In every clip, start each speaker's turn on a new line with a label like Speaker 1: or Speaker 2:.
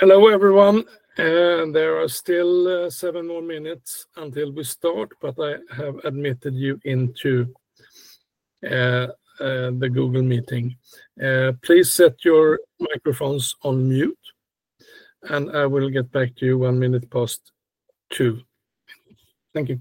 Speaker 1: Hello everyone. There are still seven more minutes until we start, but I have admitted you into the Google Meeting. Please set your microphones on mute, and I will get back to you one minute past 2:00 P.M. Thank you.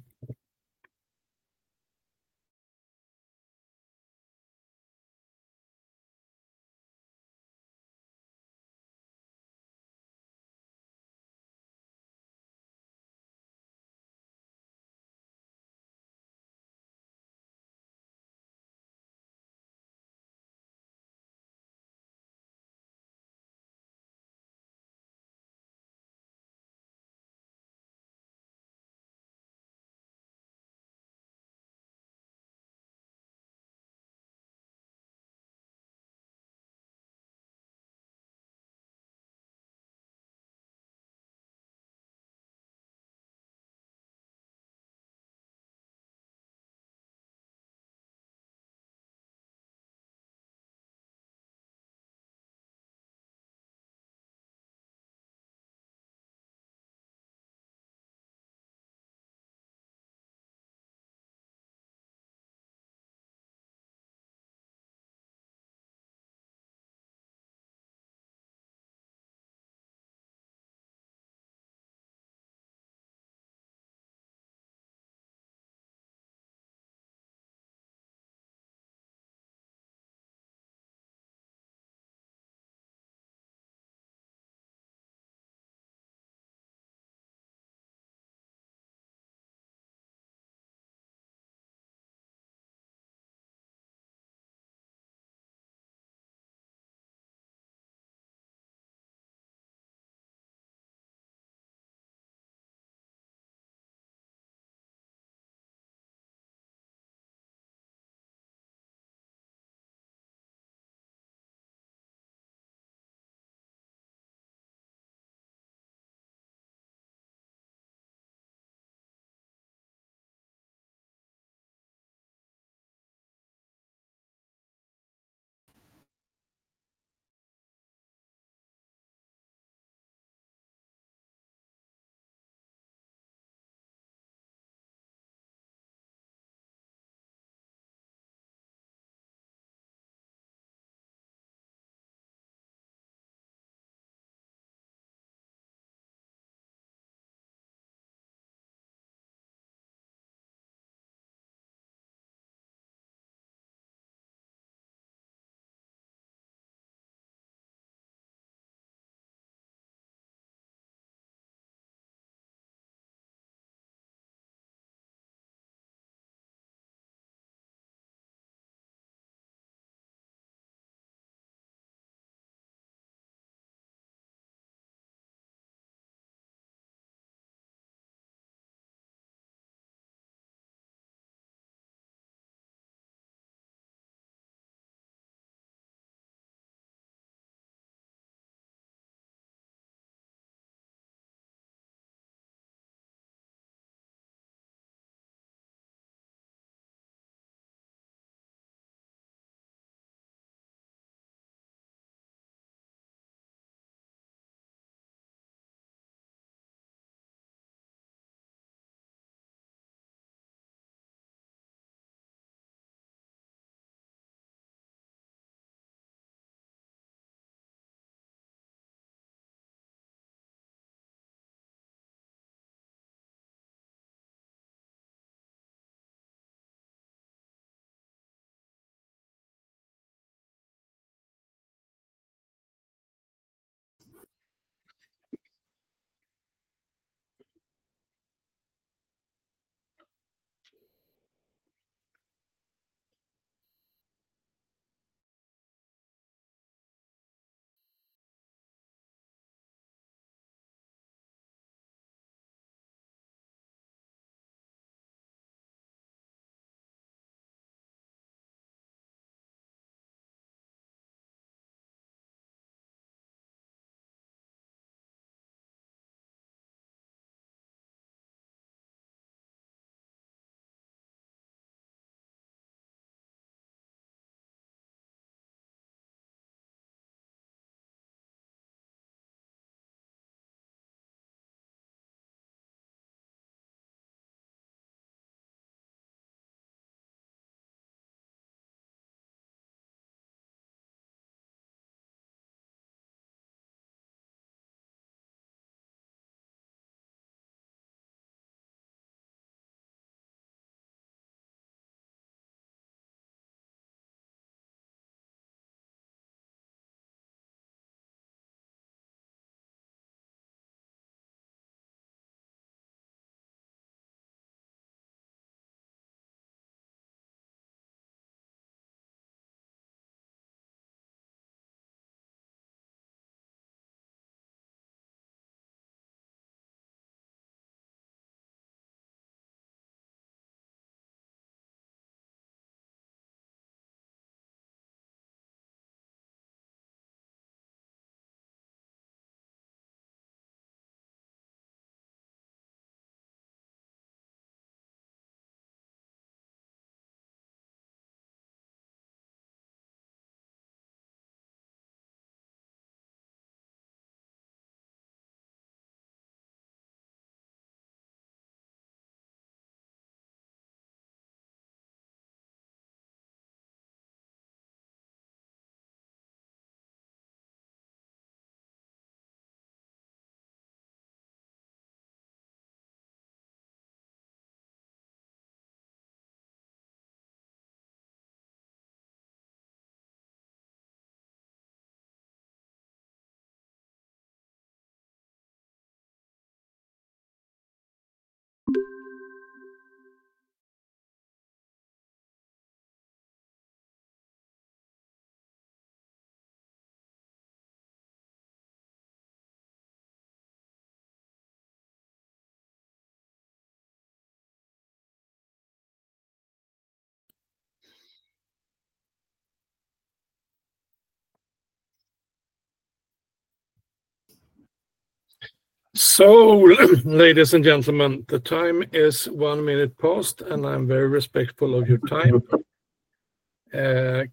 Speaker 1: Ladies and gentlemen, the time is one minute past, and I'm very respectful of your time.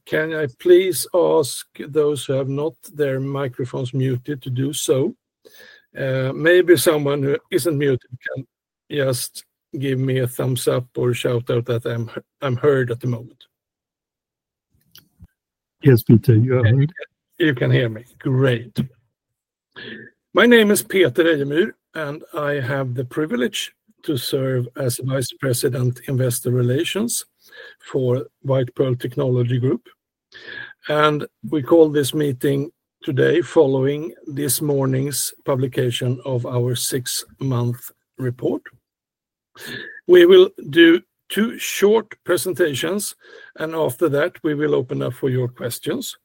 Speaker 1: Can I please ask those who have not their microphones muted to do so? Maybe someone who isn't muted can just give me a thumbs up or shout out that I'm heard at the moment.
Speaker 2: Yes, Peter, you are heard.
Speaker 1: You can hear me. Great. My name is Peter Ejemyr, and I have the privilege to serve as Vice President, Investor Relations for White Pearl Technology Group AB. We call this meeting today following this morning's publication of our six-month report. We will do two short presentations, and after that, we will open up for your questions.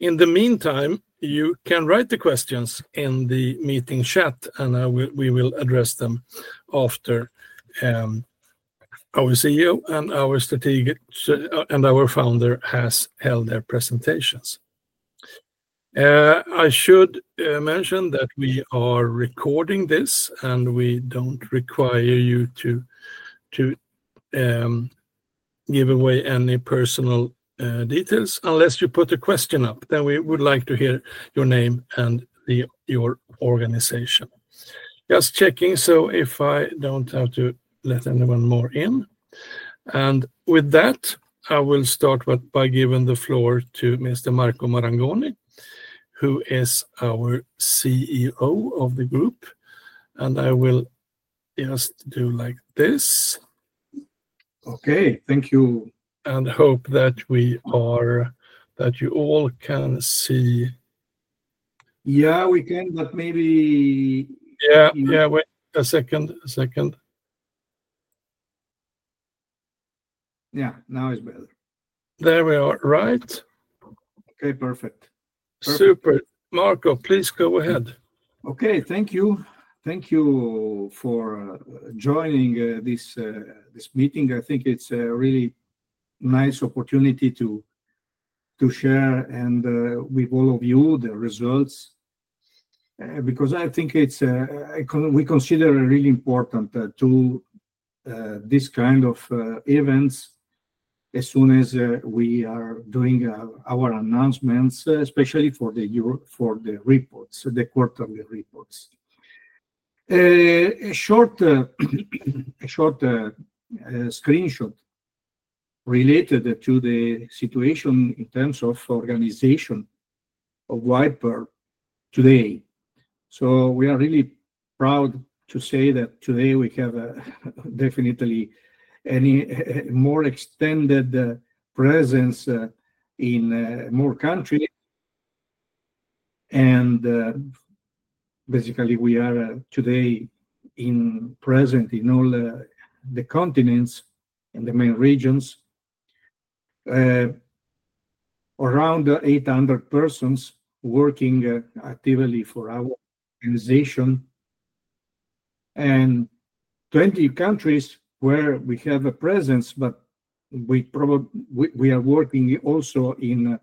Speaker 1: In the meantime, you can write the questions in the meeting chat, and we will address them after our CEO and our founder have held their presentations. I should mention that we are recording this, and we don't require you to give away any personal details unless you put a question up. Then we would like to hear your name and your organization. Just checking, so I don't have to let anyone more in. With that, I will start by giving the floor to Mr. Marco Marangoni, who is our CEO of the group. I will just do like this.
Speaker 2: Okay, thank you.
Speaker 1: We hope that you all can see.
Speaker 2: Yeah, we can, maybe.
Speaker 1: Yeah. Wait a second.
Speaker 2: Yeah, now it's better.
Speaker 1: There we are, right?
Speaker 2: Okay, perfect.
Speaker 1: Super. Marco, please go ahead.
Speaker 2: Okay. Thank you. Thank you for joining this meeting. I think it's a really nice opportunity to share with all of you the results because I think we consider it really important to do this kind of event as soon as we are doing our announcements, especially for the reports, the quarterly reports. A short screenshot related to the situation in terms of organization of White Pearl Technology Group AB today. We are really proud to say that today we have definitely a more extended presence in more countries. Basically, we are today present in all the continents and the main regions, around 800 persons working actively for our organization and 20 countries where we have a presence, but we are working also in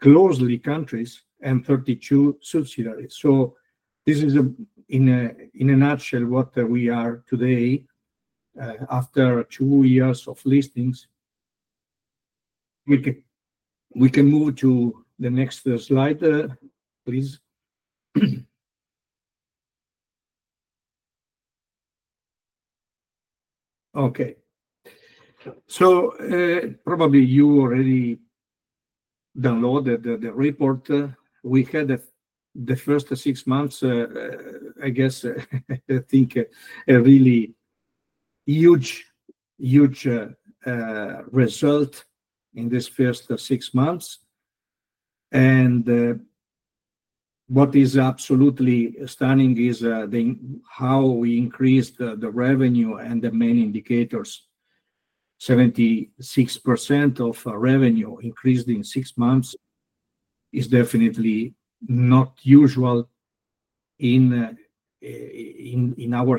Speaker 2: closely countries and 32 subsidiaries. This is, in a nutshell, what we are today after two years of listings. We can move to the next slide, please. Okay. Probably you already downloaded the report. We had the first six months, I guess, I think a really huge, huge result in these first six months. What is absolutely stunning is how we increased the revenue and the main indicators. 76% of revenue increased in six months is definitely not usual in our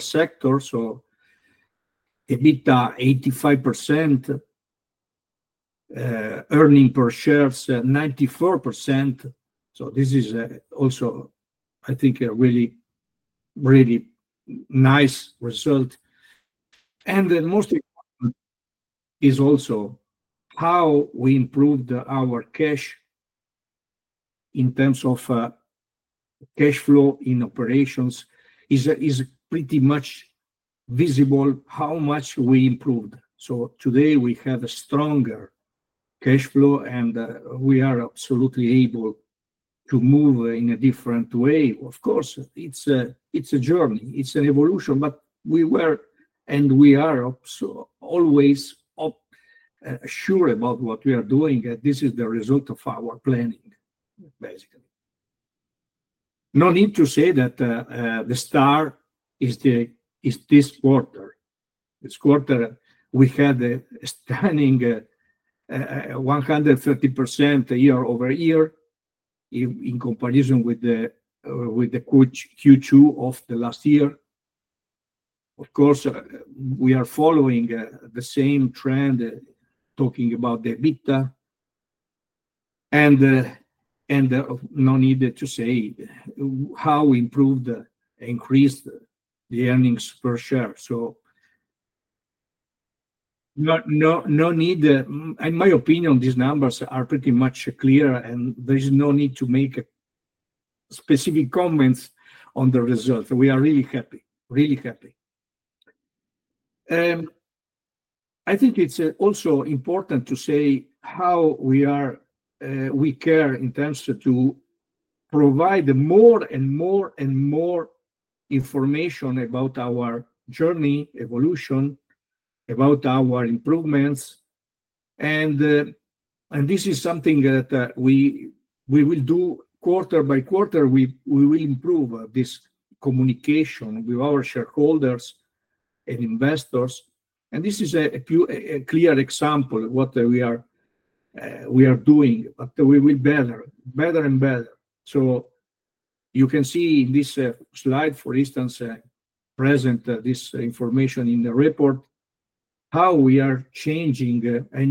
Speaker 2: sector. A bit 85% earning per shares, 94%. This is also, I think, a really, really nice result. The most important is also how we improved our cash in terms of cash flow in operations. It's pretty much visible how much we improved. Today, we have a stronger cash flow, and we are absolutely able to move in a different way. Of course, it's a journey. It's an evolution, but we were, and we are also always sure about what we are doing. This is the result of our planning, basically. No need to say that the star is this quarter. This quarter, we had a stunning 130% year-over-year in comparison with the Q2 of the last year. Of course, we are following the same trend, talking about the EBITDA. No need to say how we improved and increased the earnings per share. In my opinion, these numbers are pretty much clear, and there is no need to make specific comments on the results. We are really happy, really happy. I think it's also important to say how we are, we care in terms to provide more and more and more information about our journey, evolution, about our improvements. This is something that we will do quarter by quarter. We will improve this communication with our shareholders and investors. This is a clear example of what we are doing, but we will be better, better and better. You can see this slide, for instance, present this information in the report, how we are changing and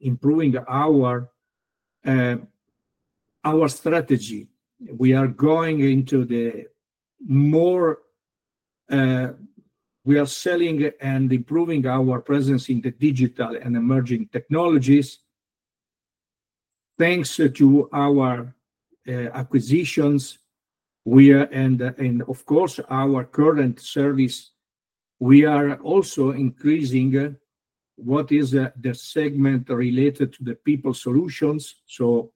Speaker 2: improving our strategy. We are going into the more we are selling and improving our presence in the Digital & Emerging Technologies thanks to our acquisitions. Of course, our current service, we are also increasing what is the segment related to the People Solutions/BPO.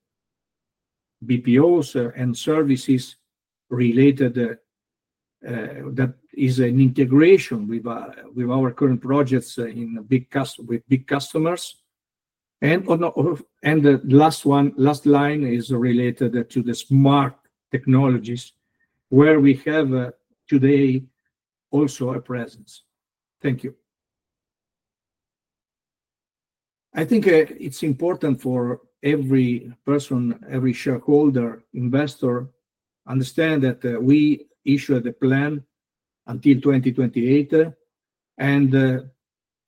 Speaker 2: BPOs and services related, that is an integration with our current projects with big customers. The last one, last line is related to the Smart Technologies where we have today also a presence. Thank you. I think it's important for every person, every shareholder, investor to understand that we issued a plan until 2028. In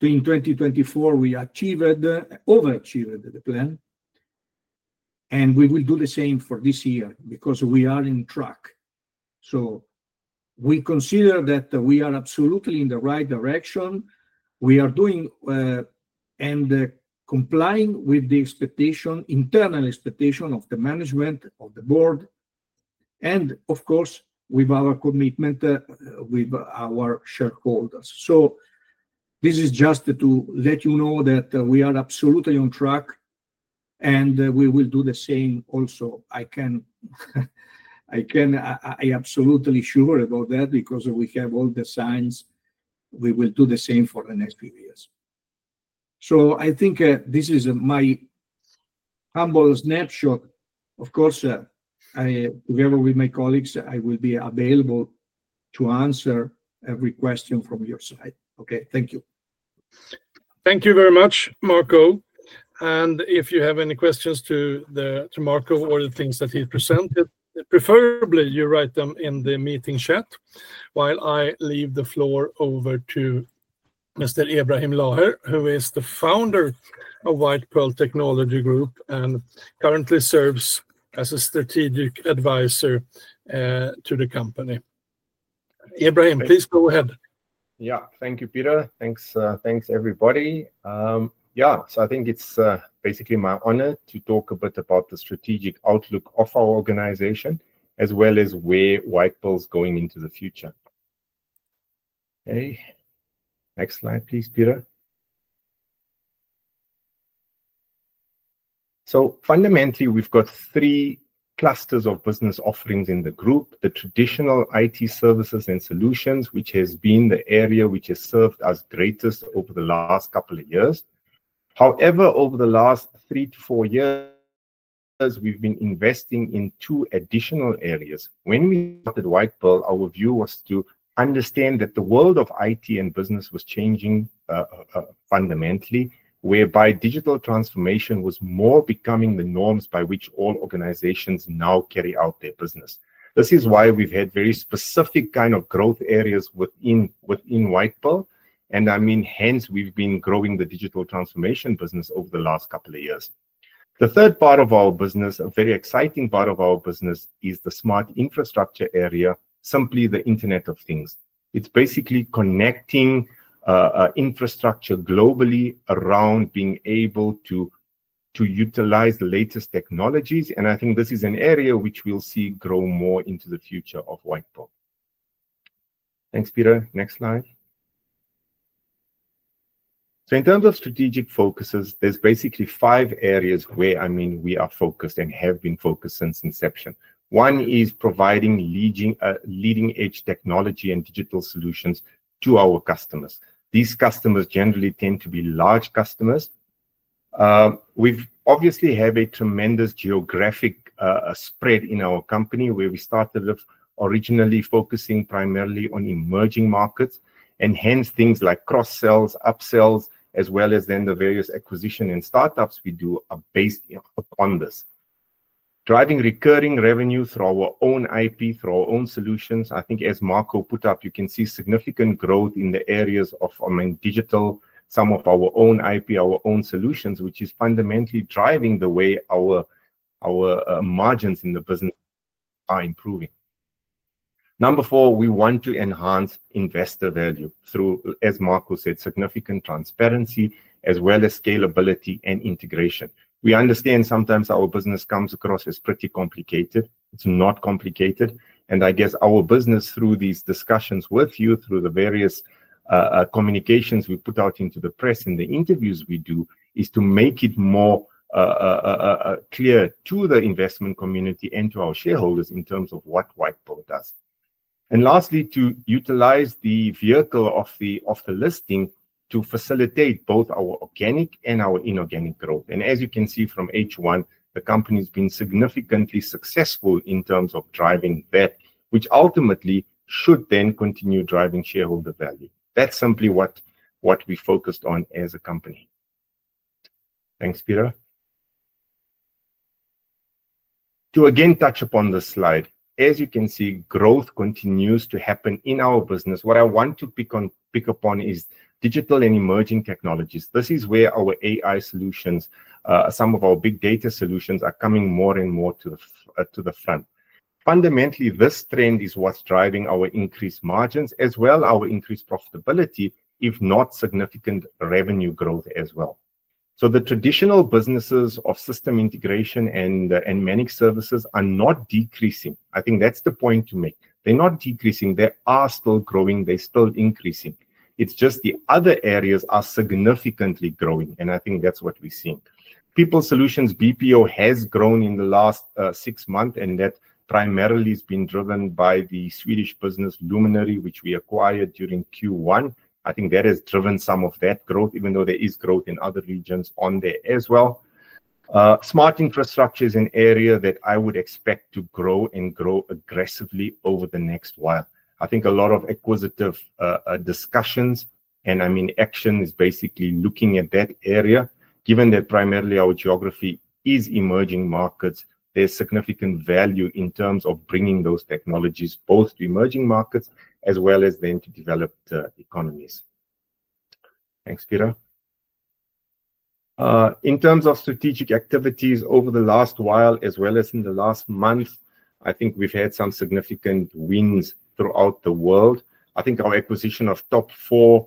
Speaker 2: 2024, we achieved, overachieved the plan. We will do the same for this year because we are in track. We consider that we are absolutely in the right direction. We are doing and complying with the expectation, internal expectation of the management, of the board, and of course, with our commitment with our shareholders. This is just to let you know that we are absolutely on track, and we will do the same also. I am absolutely sure about that because we have all the signs. We will do the same for the next few years. I think this is my humble snapshot. Of course, together with my colleagues, I will be available to answer every question from your side. Thank you.
Speaker 1: Thank you very much, Marco. If you have any questions to Marco or the things that he presented, preferably you write them in the meeting chat while I leave the floor over to Mr. Ebrahim Laher, who is the Founder of White Pearl Technology Group AB and currently serves as a Strategic Adviser to the company. Ebrahim, please go ahead.
Speaker 3: Thank you, Peter. Thanks, thanks everybody. I think it's basically my honor to talk a bit about the strategic outlook of our organization as well as where White Pearl Technology Group AB is going into the future. Next slide, please, Peter. Fundamentally, we've got three clusters of business offerings in the group: the traditional IT services and solutions, which has been the area which has served us greatest over the last couple of years. Over the last three to four years, we've been investing in two additional areas. When we started White Pearl Technology Group AB, our view was to understand that the world of IT and business was changing fundamentally, whereby digital transformation was more becoming the norms by which all organizations now carry out their business. This is why we've had very specific kind of growth areas within White Pearl Technology Group AB. Hence, we've been growing the digital transformation business over the last couple of years. The third part of our business, a very exciting part of our business, is the smart infrastructure area, simply the Internet of Things. It's basically connecting infrastructure globally around being able to utilize the latest technologies. I think this is an area which we'll see grow more into the future of White Pearl Technology Group AB. Thanks, Peter. Next slide. In terms of strategic focuses, there's basically five areas where we are focused and have been focused since inception. One is providing leading-edge technology and digital solutions to our customers. These customers generally tend to be large customers. We obviously have a tremendous geographic spread in our company where we started off originally focusing primarily on emerging markets. Hence, things like cross-sells, upsells, as well as then the various acquisitions and startups we do are based on this. Driving recurring revenue through our own IP, through our own solutions. I think, as Marco put up, you can see significant growth in the areas of digital, some of our own IP, our own solutions, which is fundamentally driving the way our margins in the business are improving. Number four, we want to enhance investor value through, as Marco said, significant transparency as well as scalability and integration. We understand sometimes our business comes across as pretty complicated. It's not complicated. I guess our business, through these discussions with you, through the various communications we put out into the press and the interviews we do, is to make it more clear to the investment community and to our shareholders in terms of what White Pearl Technology Group AB does. Lastly, to utilize the vehicle of the listing to facilitate both our organic and our inorganic growth. As you can see from H1, the company has been significantly successful in terms of driving that, which ultimately should then continue driving shareholder value. That's simply what we focused on as a company. Thanks, Peter. To again touch upon the slide, as you can see, growth continues to happen in our business. What I want to pick up on is Digital & Emerging Technologies. This is where our AI solutions, some of our big data solutions, are coming more and more to the front. Fundamentally, this trend is what's driving our increased margins as well as our increased profitability, if not significant revenue growth as well. The traditional businesses of System Integration and Managed Services are not decreasing. I think that's the point to make. They're not decreasing. They are still growing. They're still increasing. It's just the other areas are significantly growing. I think that's what we're seeing. People Solutions/BPO has grown in the last six months, and that primarily has been driven by the Swedish business Lumin4ry AB, which we acquired during Q1. I think that has driven some of that growth, even though there is growth in other regions on there as well. Smart Infrastructure is an area that I would expect to grow and grow aggressively over the next while. I think a lot of acquisitive discussions and action is basically looking at that area, given that primarily our geography is emerging markets. There's significant value in terms of bringing those technologies both to emerging markets as well as then to developed economies. Thanks, Peter. In terms of strategic activities over the last while, as well as in the last month, I think we've had some significant wins throughout the world. I think our acquisition of Top4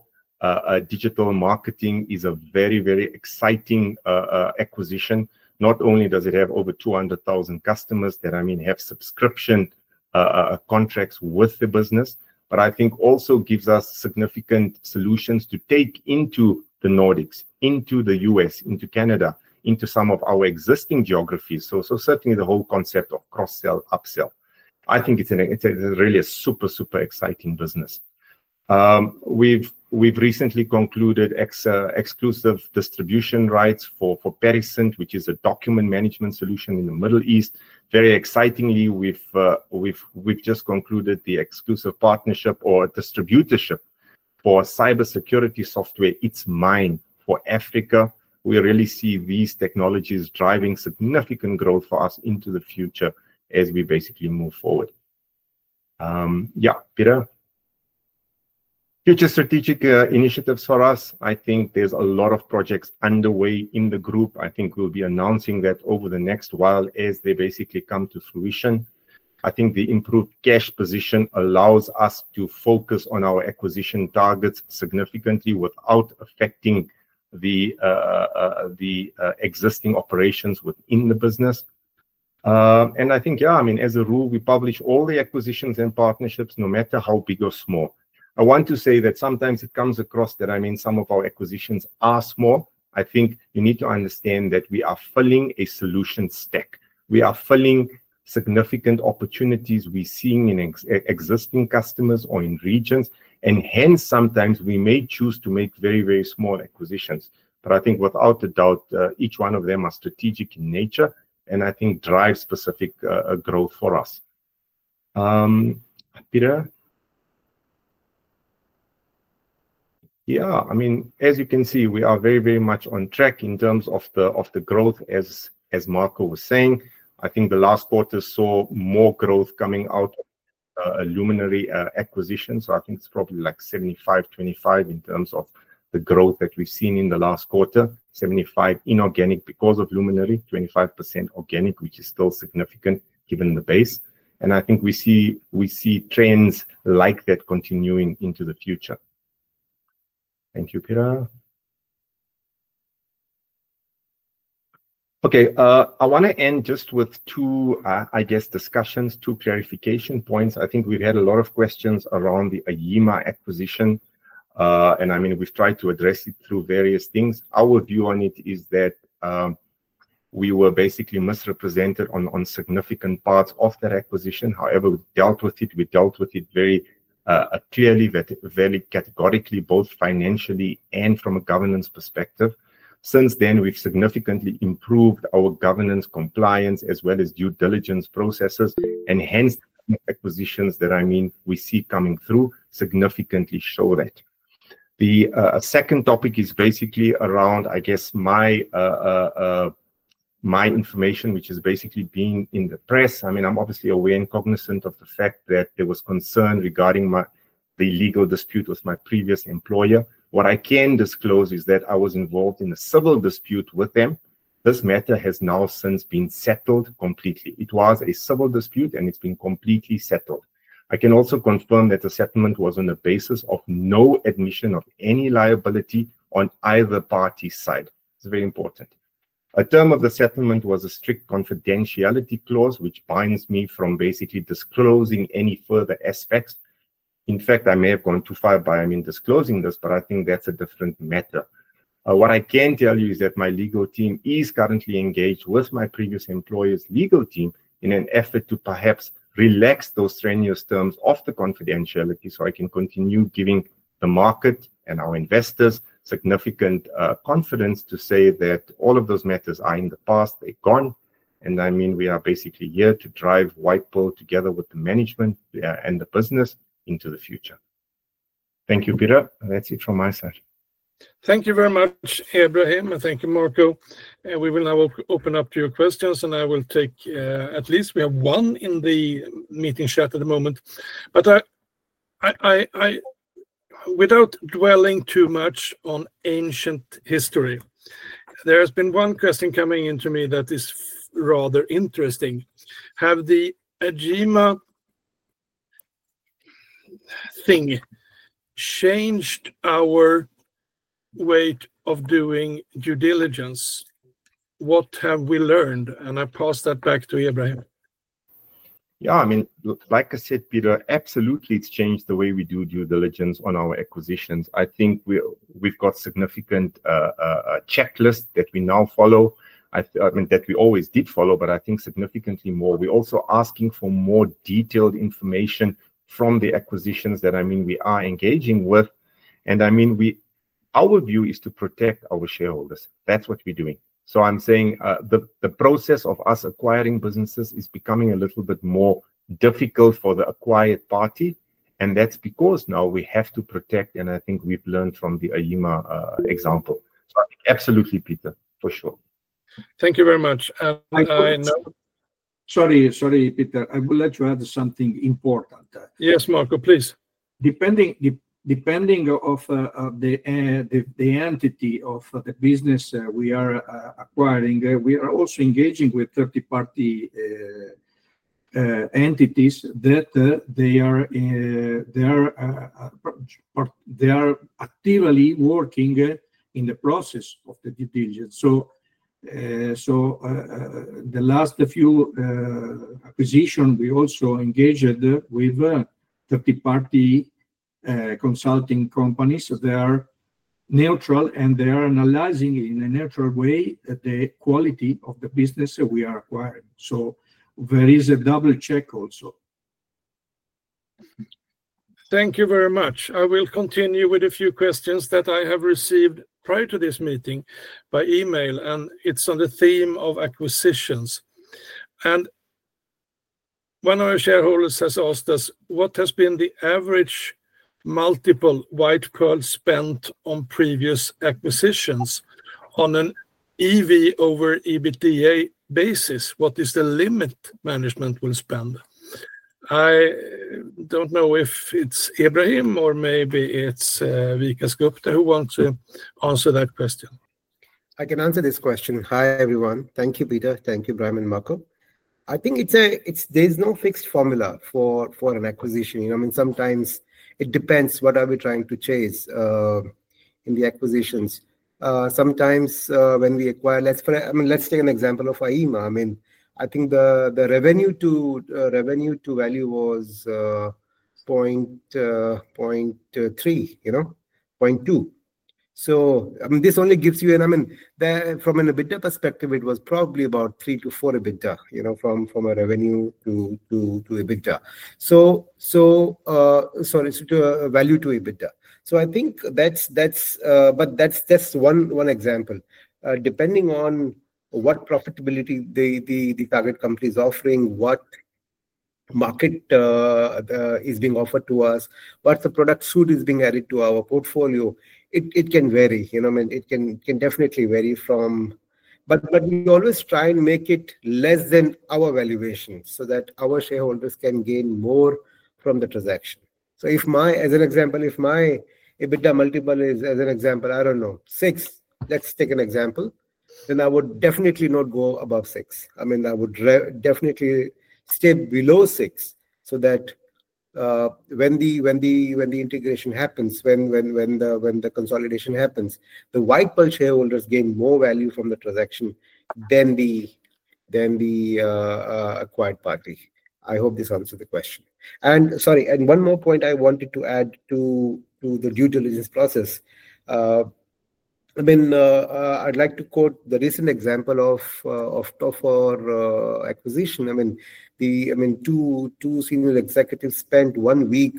Speaker 3: Digital Marketing is a very, very exciting acquisition. Not only does it have over 200,000 customers that have subscription contracts with the business, but I think also gives us significant solutions to take into the Nordics, into the U.S., into Canada, into some of our existing geographies. Certainly, the whole concept of cross-sell, upsell, I think it's really a super, super exciting business. We've recently concluded exclusive distribution rights for Pericent, which is a document management solution in the Middle East. Very excitingly, we've just concluded the exclusive partnership or distributorship for cybersecurity software, It's Mine, for Africa. We really see these technologies driving significant growth for us into the future as we basically move forward. Yeah, Peter. Future strategic initiatives for us, I think there's a lot of projects underway in the group. I think we'll be announcing that over the next while as they basically come to fruition. I think the improved cash position allows us to focus on our acquisition targets significantly without affecting the existing operations within the business. I mean, as a rule, we publish all the acquisitions and partnerships no matter how big or small. I want to say that sometimes it comes across that some of our acquisitions are small. You need to understand that we are filling a solution stack. We are filling significant opportunities we're seeing in existing customers or in regions. Hence, sometimes we may choose to make very, very small acquisitions. Without a doubt, each one of them are strategic in nature and drive specific growth for us. Peter? As you can see, we are very, very much on track in terms of the growth, as Marco was saying. The last quarter saw more growth coming out, a Lumin4ry AB acquisition. It's probably like 75/25 in terms of the growth that we've seen in the last quarter. 75% inorganic because of Lumin4ry AB, 25% organic, which is still significant given the base. We see trends like that continuing into the future. Thank you, Peter. I want to end just with two discussions, two clarification points. We've had a lot of questions around the AEMA acquisition. We've tried to address it through various things. Our view on it is that we were basically misrepresented on significant parts of that acquisition. However, we dealt with it. We dealt with it very clearly, very categorically, both financially and from a governance perspective. Since then, we've significantly improved our governance compliance as well as due diligence processes. Hence, acquisitions that we see coming through significantly show that. The second topic is basically around, I guess, my information, which has basically been in the press. I'm obviously aware and cognizant of the fact that there was concern regarding the legal dispute with my previous employer. What I can disclose is that I was involved in a civil dispute with them. This matter has now since been settled completely. It was a civil dispute, and it's been completely settled. I can also confirm that the settlement was on the basis of no admission of any liability on either party's side. It's very important. A term of the settlement was a strict confidentiality clause, which binds me from basically disclosing any further aspects. In fact, I may have gone too far by, I mean, disclosing this, but I think that's a different matter. What I can tell you is that my legal team is currently engaged with my previous employer's legal team in an effort to perhaps relax those strenuous terms of the confidentiality so I can continue giving the market and our investors significant confidence to say that all of those matters are in the past. They're gone. We are basically here to drive White Pearl Technology Group AB together with the management and the business into the future. Thank you, Peter. That's it from my side.
Speaker 1: Thank you very much, Ebrahim, and thank you, Marco. We will now open up to your questions. I will take at least we have one in the meeting chat at the moment. Without dwelling too much on ancient history, there has been one question coming into me that is rather interesting. Have the AEMA thing changed our way of doing due diligence? What have we learned? I pass that back to Ebrahim.
Speaker 3: Yeah. I mean, look, like I said, Peter, absolutely, it's changed the way we do due diligence on our acquisitions. I think we've got a significant checklist that we now follow. I mean, that we always did follow, but I think significantly more. We're also asking for more detailed information from the acquisitions that we are engaging with. I mean, our view is to protect our shareholders. That's what we're doing. The process of us acquiring businesses is becoming a little bit more difficult for the acquired party. That's because now we have to protect. I think we've learned from the AEMA example. Absolutely, Peter, for sure.
Speaker 1: Thank you very much.
Speaker 2: Sorry, Peter. I would like to add something important.
Speaker 1: Yes, Marco, please.
Speaker 2: Depending on the entity of the business we are acquiring, we are also engaging with third-party entities that are actively working in the process of the due diligence. The last few acquisitions, we also engaged with third-party consulting companies. They are neutral, and they are analyzing in a neutral way the quality of the business we are acquiring. There is a double check also.
Speaker 1: Thank you very much. I will continue with a few questions that I have received prior to this meeting by email, and it's on the theme of acquisitions. One of our shareholders has asked us, what has been the average multiple White Pearl Technology Group AB spent on previous acquisitions on an EV over EBITDA basis? What is the limit management will spend? I don't know if it's Ebrahim Laher or maybe it's Vikas Gupta who wants to answer that question.
Speaker 4: I can answer this question. Hi, everyone. Thank you, Peter. Thank you, Ebrahim and Marco. I think there's no fixed formula for an acquisition. Sometimes it depends what we are trying to chase in the acquisitions. Sometimes when we acquire, let's take an example of AEMA. I think the revenue-to-value was 0.3, 0.2. This only gives you, and from an EBITDA perspective, it was probably about 3 to 4 EBITDA from a value to EBITDA. That's just one example. Depending on what profitability the target company is offering, what market is being offered to us, what the product suite is being added to our portfolio, it can vary. It can definitely vary, but we always try and make it less than our valuation so that our shareholders can gain more from the transaction. As an example, if my EBITDA multiple is, as an example, 6, let's take an example, then I would definitely not go above 6. I would definitely stay below 6 so that when the integration happens, when the consolidation happens, the White Pearl shareholders gain more value from the transaction than the acquired party. I hope this answers the question. Sorry, and one more point I wanted to add to the due diligence process. I'd like to quote the recent example of our acquisition. The two senior executives spent one week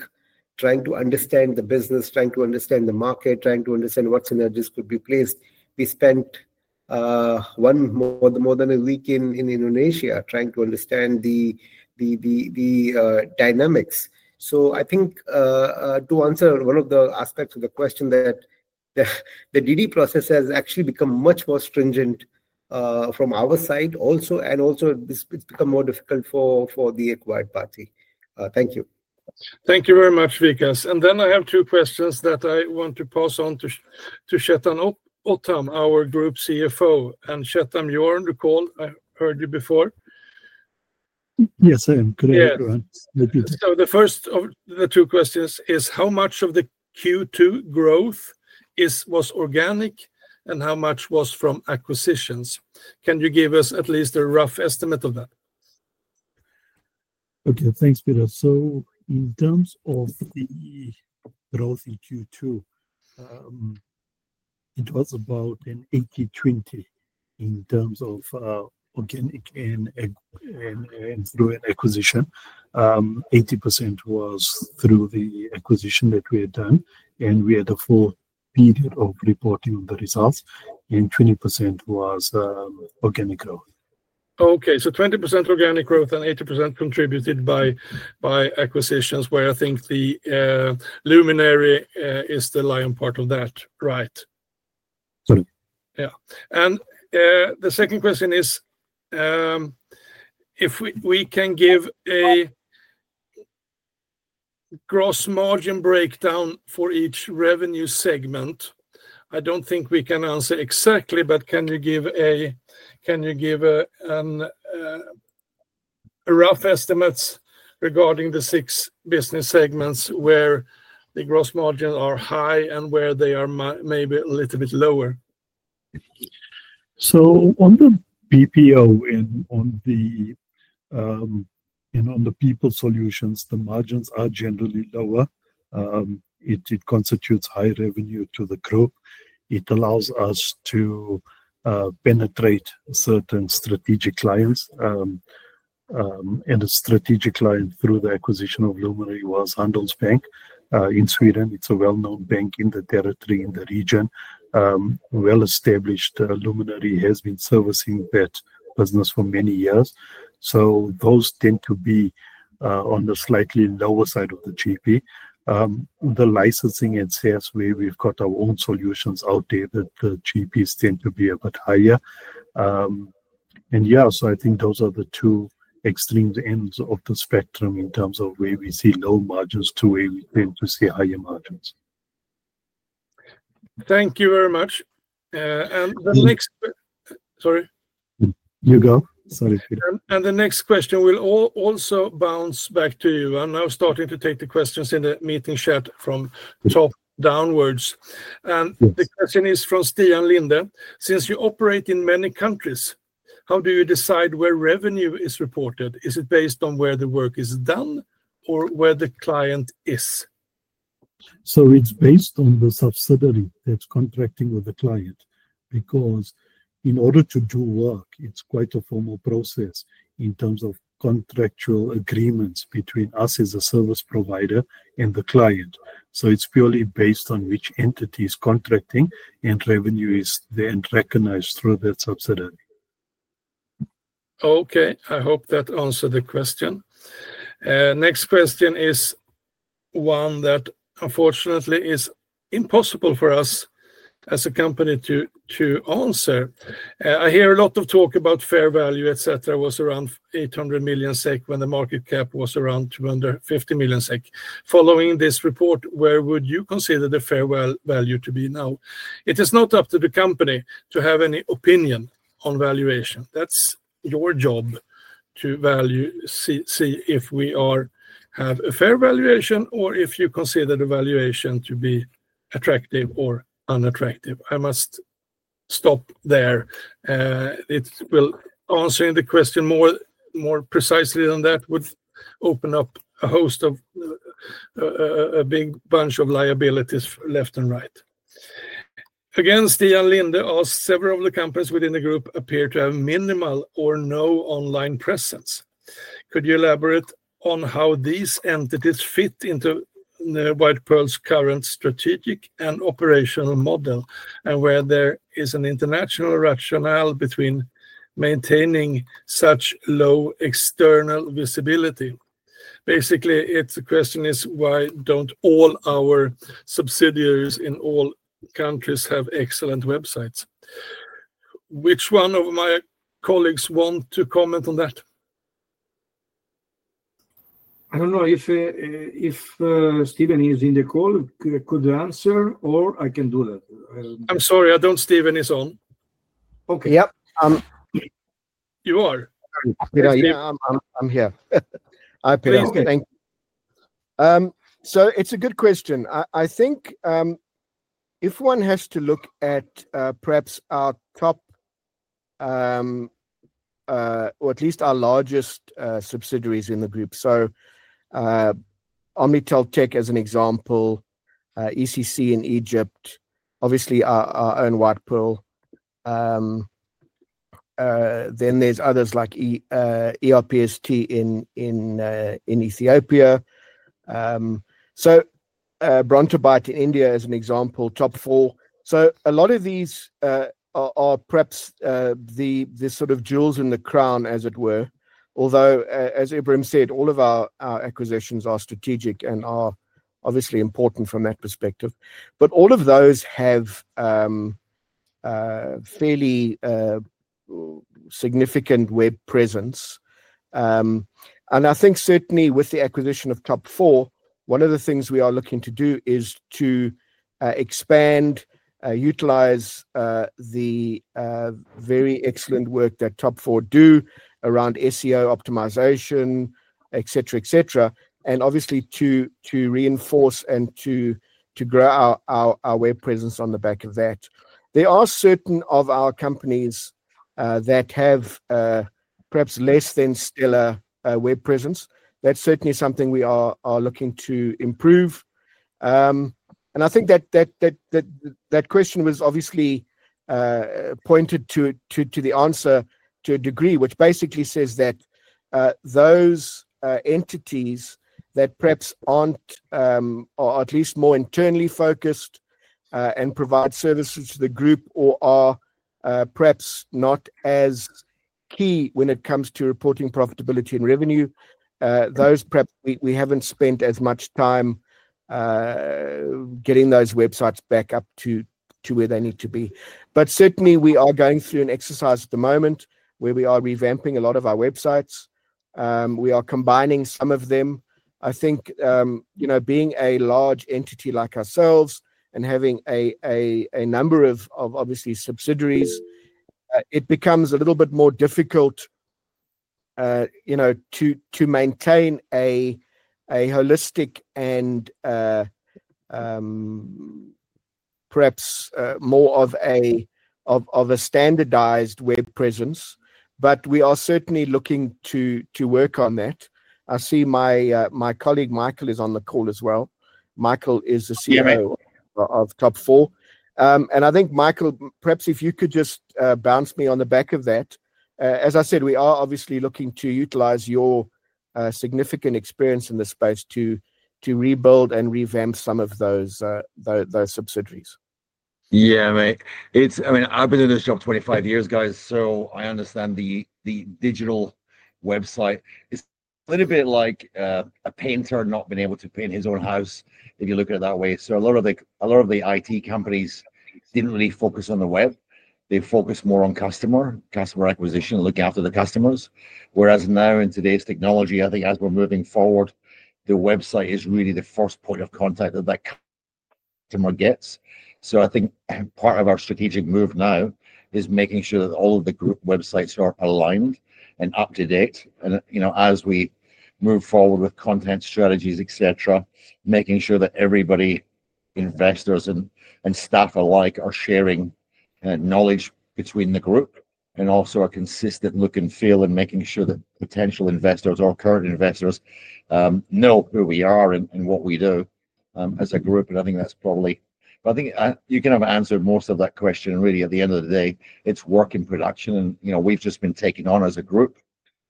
Speaker 4: trying to understand the business, trying to understand the market, trying to understand what synergies could be placed. We spent more than a week in Indonesia trying to understand the dynamics. To answer one of the aspects of the question, the due diligence process has actually become much more stringent from our side also, and also it's become more difficult for the acquired party. Thank you.
Speaker 1: Thank you very much, Vikas. I have two questions that I want to pass on to Chettan Ottam, our Group CFO. Chetan, you're on the call. I heard you before.
Speaker 5: Yes, I am.
Speaker 1: The first of the two questions is how much of the Q2 growth was organic and how much was from acquisitions? Can you give us at least a rough estimate of that?
Speaker 5: Okay. Thanks, Peter. In terms of the growth in Q2, it was about an 80/20 in terms of organic and fluid acquisition. 80% was through the acquisition that we had done, and we had a full period of reporting the results, and 20% was organic growth.
Speaker 1: Okay. 20% organic growth and 80% contributed by acquisitions, where I think the Lumin4ry AB is the lion part of that, right?
Speaker 5: Correct.
Speaker 1: Yeah. The second question is if we can give a gross margin breakdown for each revenue segment. I don't think we can answer exactly, but can you give a rough estimate regarding the six business segments where the gross margins are high and where they are maybe a little bit lower?
Speaker 5: On the BPO and on the People Solutions, the margins are generally lower. It constitutes high revenue to the group. It allows us to penetrate certain strategic clients. A strategic client through the acquisition of Lumin4ry AB was Handelsbanken. In Sweden, it's a well-known bank in the territory, in the region. Well-established. Lumin4ry AB has been servicing that business for many years. Those tend to be on the slightly lower side of the gross margin. The Licensing and SaaS, where we've got our own solutions out there, the gross margins tend to be a bit higher. I think those are the two extreme ends of the spectrum in terms of where we see low margins to where we tend to see higher margins.
Speaker 1: Thank you very much. The next question, sorry.
Speaker 5: You go. Sorry, Peter.
Speaker 1: The next question will also bounce back to you. I'm now starting to take the questions in the meeting chat from top downwards. The question is from Stian Linde. Since you operate in many countries, how do you decide where revenue is reported? Is it based on where the work is done or where the client is?
Speaker 5: It is based on the subsidiary that's contracting with the client because in order to do work, it's quite a formal process in terms of contractual agreements between us as a service provider and the client. It is purely based on which entity is contracting, and revenue is then recognized through that subsidiary.
Speaker 1: Okay. I hope that answered the question. Next question is one that unfortunately is impossible for us as a company to answer. I hear a lot of talk about fair value, etc., was around 800 million SEK when the market cap was around 250 million SEK. Following this report, where would you consider the fair value to be now? It is not up to the company to have any opinion on valuation. That's your job to value, see if we have a fair valuation or if you consider the valuation to be attractive or unattractive. I must stop there. Answering the question more precisely than that would open up a host of a big bunch of liabilities left and right. Again, Stian Linde asked, several of the companies within the group appear to have minimal or no online presence. Could you elaborate on how these entities fit into White Pearl Technology Group AB's current strategic and operational model and where there is an international rationale between maintaining such low external visibility? Basically, the question is why don't all our subsidiaries in all countries have excellent websites? Which one of my colleagues wants to comment on that?
Speaker 2: I don't know if Stephen is on the call, could answer, or I can do that.
Speaker 1: I'm sorry, I don't think Stephen is on.
Speaker 2: Okay. Yeah.
Speaker 1: You are?
Speaker 6: I'm here. I'm here.
Speaker 1: Very good.
Speaker 6: It's a good question. I think if one has to look at perhaps our top or at least our largest subsidiaries in the group, Omnitell Tech as an example, ECC in Egypt, obviously our own White Pearl Technology Group AB. Then there's others like ERPST in Ethiopia, Brontobyte in India as an example, Top4. A lot of these are perhaps the sort of jewels in the crown, as it were. Although, as Ebrahim Laher said, all of our acquisitions are strategic and are obviously important from that perspective, all of those have fairly significant web presence. I think certainly with the acquisition of Top4 Digital Marketing, one of the things we are looking to do is to expand, utilize the very excellent work that Top4 do around SEO optimization, etc., and obviously to reinforce and to grow our web presence on the back of that. There are certain of our companies that have perhaps less than stellar web presence. That's certainly something we are looking to improve. I think that question was obviously pointed to the answer to a degree, which basically says that those entities that perhaps aren't, or at least are more internally focused and provide services to the group or are perhaps not as key when it comes to reporting profitability and revenue, those perhaps we haven't spent as much time getting those websites back up to where they need to be. Certainly, we are going through an exercise at the moment where we are revamping a lot of our websites. We are combining some of them. I think, you know, being a large entity like ourselves and having a number of obviously subsidiaries, it becomes a little bit more difficult to maintain a holistic and perhaps more of a standardized web presence. We are certainly looking to work on that. I see my colleague Michael is on the call as well. Michael is the CMO of Top4 Digital Marketing. I think, Michael, perhaps if you could just bounce me on the back of that. As I said, we are obviously looking to utilize your significant experience in this space to rebuild and revamp some of those subsidiaries.
Speaker 7: Yeah, mate. I mean, I've been in this job 25 years, guys, so I understand the digital website. It's a little bit like a painter not being able to paint his own house, if you look at it that way. A lot of the IT companies didn't really focus on the web. They focused more on customer, customer acquisition, looking after the customers. Whereas now in today's technology, I think as we're moving forward, the website is really the first point of contact that the customer gets. I think part of our strategic move now is making sure that all of the group websites are aligned and up to date. As we move forward with content strategies, etc., making sure that everybody, investors, and staff alike are sharing knowledge between the group and also a consistent look and feel and making sure that potential investors or current investors know who we are and what we do as a group. I think that's probably, but I think you can have answered most of that question. At the end of the day, it's work in production. We've just been taking on as a group.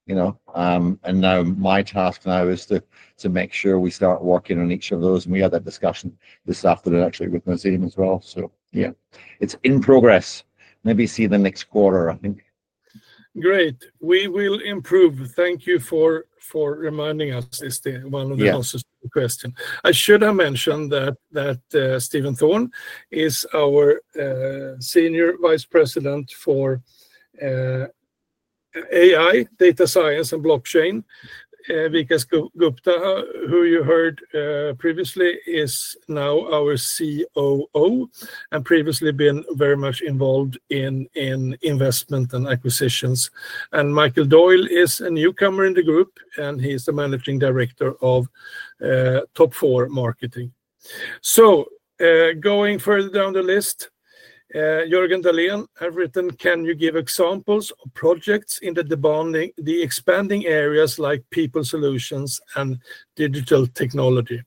Speaker 7: Now my task now is to make sure we start working on each of those. We had that discussion this afternoon, actually, with my team as well. Yeah, it's in progress. Maybe see the next quarter, I think.
Speaker 1: Great. We will improve. Thank you for reminding us. That is one of the closest questions. I should have mentioned that Stephen Thorn is our Senior Vice President for AI, Data Science, and Blockchain. Vikas Gupta, who you heard previously, is now our COO and has previously been very much involved in investment and acquisitions. Michael Doyle is a newcomer in the group, and he's the Managing Director of Top4 Digital Marketing. Going further down the list, Jorgen Dahlén has written, "Can you give examples of projects in the expanding areas like People Solutions/BPO and Digital & Emerging Technologies?"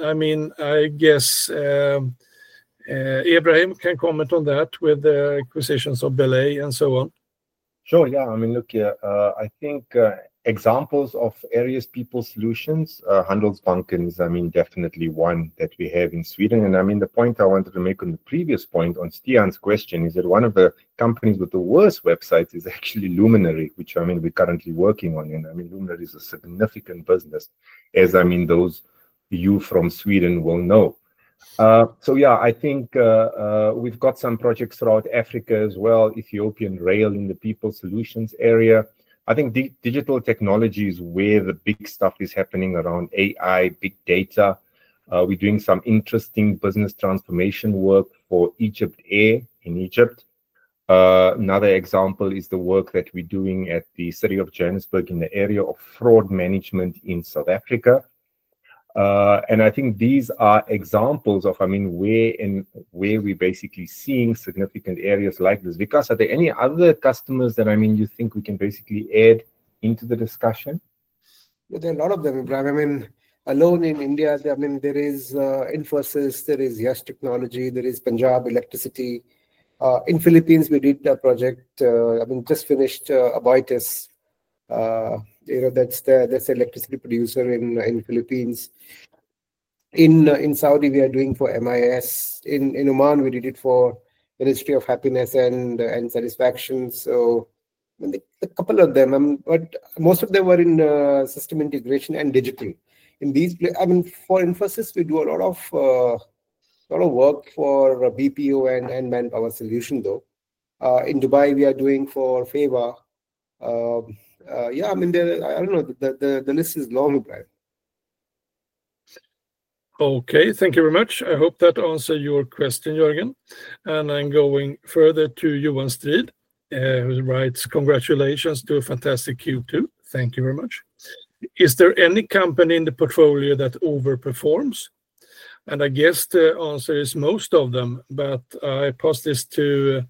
Speaker 1: I mean, I guess Ebrahim can comment on that with the acquisitions of Belay and so on.
Speaker 3: Sure. Yeah. I mean, look, I think examples of various People Solutions, Handelsbanken is definitely one that we have in Sweden. The point I wanted to make on the previous point on Stian's question is that one of the companies with the worst websites is actually Lumin4ry AB, which we're currently working on. Lumin4ry AB is a significant business, as those of you from Sweden will know. I think we've got some projects throughout Africa as well, Ethiopian Rail in the People Solutions area. I think digital technology is where the big stuff is happening around AI, big data. We're doing some interesting business transformation work for Egypt Air in Egypt. Another example is the work that we're doing at the City of Johannesburg in the area of fraud management in South Africa. I think these are examples of where we're basically seeing significant areas like this. Vikas, are there any other customers that you think we can basically add into the discussion? Yeah.
Speaker 4: There are a lot of them. I mean, alone in India, there is Infosys, there is YASH Technology, there is Punjab Electricity. In the Philippines, we did a project. We just finished Aboitiz. That's the electricity producer in the Philippines. In Saudi, we are doing for MIS. In Oman, we did it for Ministry of Happiness and Satisfaction. A couple of them, but most of them were in System Integration and Digital. For Infosys, we do a lot of work for BPO and Manpower Solution, though. In Dubai, we are doing for [Feva]. The list is long, Brian.
Speaker 1: Okay. Thank you very much. I hope that answered your question, Jorgen. I am going further to Yuvan Srid, who writes, "Congratulations to a fantastic Q2." Thank you very much. Is there any company in the portfolio that overperforms? I guess the answer is most of them, but I pass this to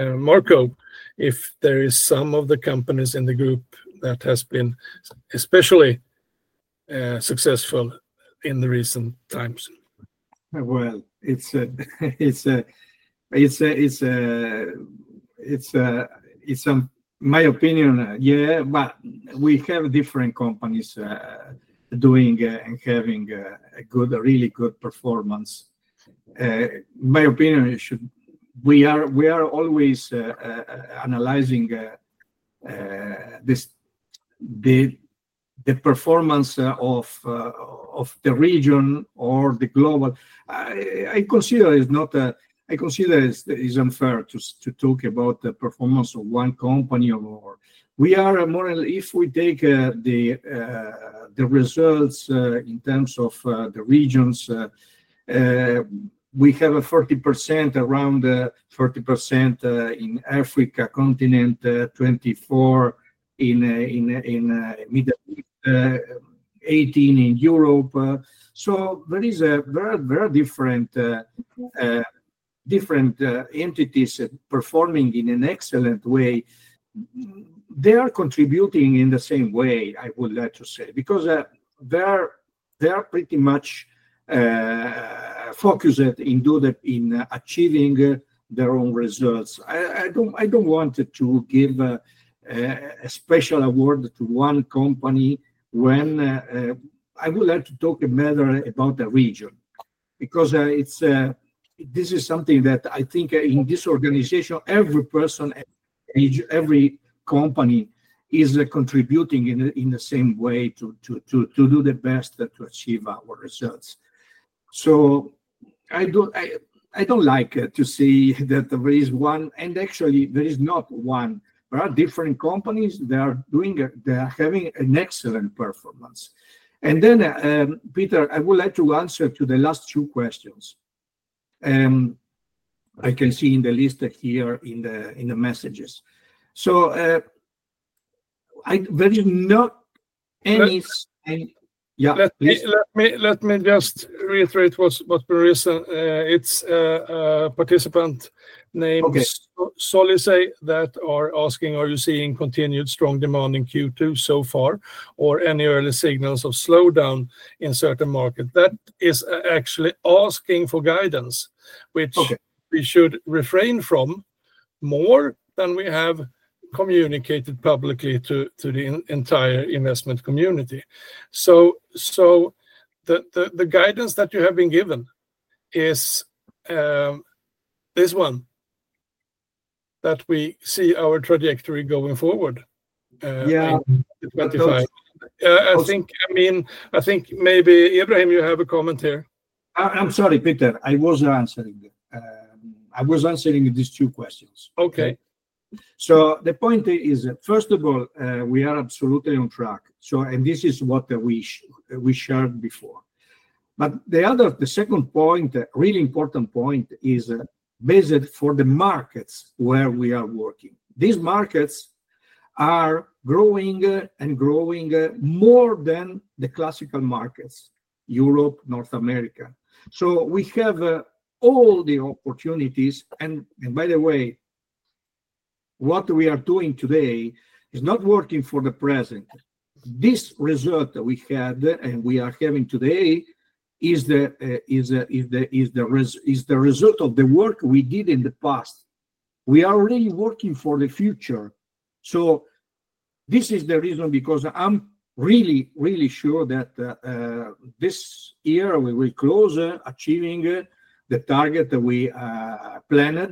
Speaker 1: Marco if there are some of the companies in the group that have been especially successful in recent times.
Speaker 2: In my opinion, we have different companies doing and having a really good performance. My opinion is we are always analyzing the performance of the region or the global. I consider it's not, I consider it's unfair to talk about the performance of one company or we are more or less, if we take the results in terms of the regions, we have a 30% around 30% in Africa continent, 24% in Asia, 18% in Europe. There are very different entities performing in an excellent way. They are contributing in the same way, I would like to say, because they are pretty much focused in achieving their own results. I don't want to give a special award to one company when I would like to talk better about the region because this is something that I think in this organization, every person, every company is contributing in the same way to do the best to achieve our results. I don't like to see that there is one, and actually, there is not one. There are different companies that are doing, they're having an excellent performance. Peter, I would like to answer to the last two questions. I can see in the list here in the messages. There is not any.
Speaker 1: Let me just reiterate what Marissa, it's a participant name, Solisay, that are asking, "Are you seeing continued strong demand in Q2 so far or any early signals of slowdown in certain markets?" That is actually asking for guidance, which we should refrain from more than we have communicated publicly to the entire investment community. The guidance that you have been given is this one, that we see our trajectory going forward.
Speaker 2: Yeah.
Speaker 1: I think maybe Ebrahim, you have a comment here.
Speaker 2: I'm sorry, Peter. I was answering you. I was answering you these two questions.
Speaker 1: Okay.
Speaker 2: The point is, first of all, we are absolutely on track. This is what we shared before. The second point, a really important point, is based on the markets where we are working. These markets are growing and growing more than the classical markets, Europe, North America. We have all the opportunities. By the way, what we are doing today is not working for the present. This result that we had and we are having today is the result of the work we did in the past. We are really working for the future. This is the reason because I'm really, really sure that this year we will close achieving the target that we planned.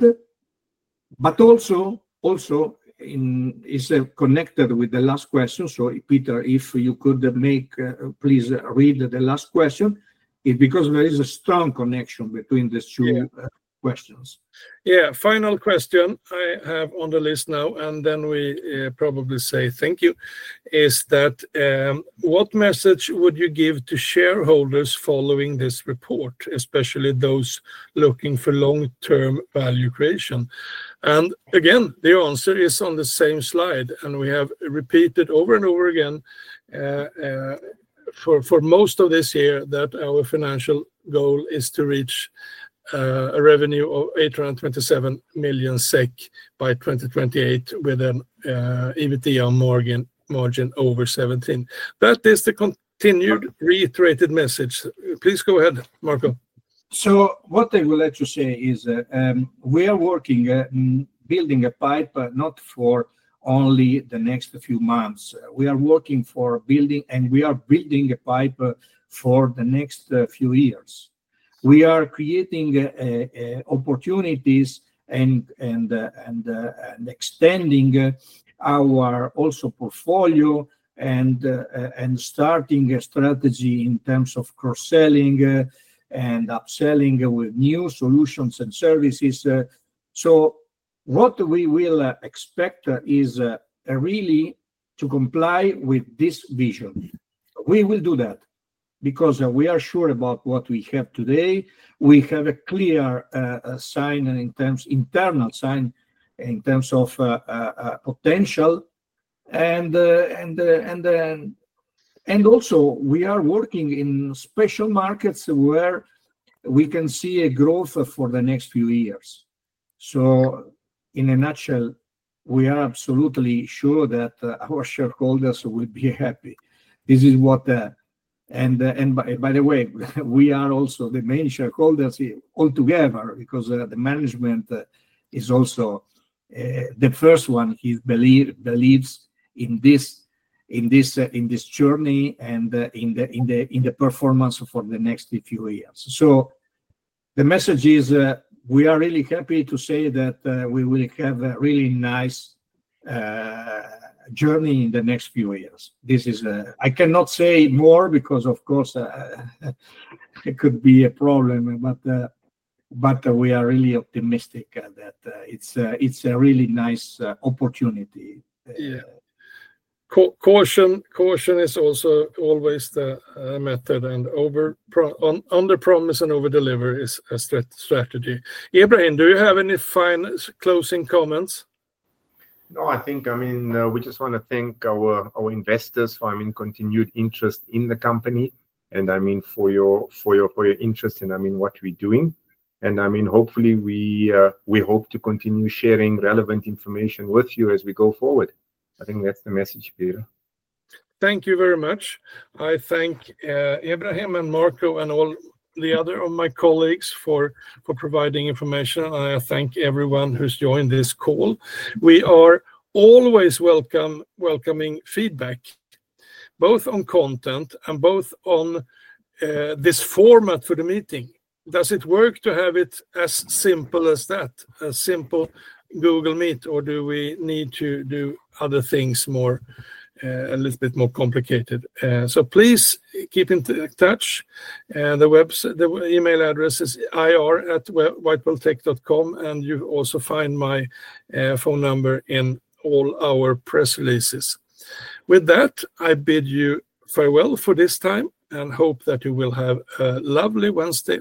Speaker 2: Also, it's connected with the last question. Peter, if you could please read the last question, it's because there is a strong connection between the two questions.
Speaker 1: Yeah. Final question I have on the list now, and then we probably say thank you, is that what message would you give to shareholders following this report, especially those looking for long-term value creation? The answer is on the same slide. We have repeated over and over again for most of this year that our financial goal is to reach a revenue of 827 million SEK by 2028 with an EBITDA margin over 17%. That is the continued reiterated message. Please go ahead, Marco.
Speaker 2: What I would like to say is that we are working at building a pipe, not for only the next few months. We are working for building, and we are building a pipe for the next few years. We are creating opportunities and extending our also portfolio and starting a strategy in terms of cross-selling and upselling with new solutions and services. What we will expect is really to comply with this vision. We will do that because we are sure about what we have today. We have a clear sign in terms of internal sign in terms of potential. We are working in special markets where we can see a growth for the next few years. In a nutshell, we are absolutely sure that our shareholders will be happy. This is what, and by the way, we are also the main shareholders here altogether because the management is also the first one who believes in this journey and in the performance for the next few years. The message is we are really happy to say that we will have a really nice journey in the next few years. I cannot say more because, of course, it could be a problem, but we are really optimistic that it's a really nice opportunity.
Speaker 1: Yeah, caution is also always the method, and underpromise and overdeliver is a strategy. Ebrahim, do you have any final closing comments?
Speaker 3: I think we just want to thank our investors for continued interest in the company and for your interest in what we're doing. Hopefully, we hope to continue sharing relevant information with you as we go forward. I think that's the message, Peter.
Speaker 1: Thank you very much. I thank Ebrahim Laher and Marco Marangoni and all the other of my colleagues for providing information. I thank everyone who's joined this call. We are always welcoming feedback, both on content and on this format for the meeting. Does it work to have it as simple as that, as simple Google Meet, or do we need to do other things, a little bit more complicated? Please keep in touch. The email address is ir@whitepearltech.com, and you also find my phone number in all our press releases. With that, I bid you farewell for this time and hope that you will have a lovely Wednesday